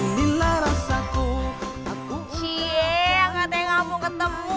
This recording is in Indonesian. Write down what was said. sial enggak denganku ketemu